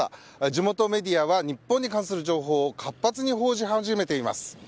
地元メディアは日本に関する情報を活発に報じ始めています。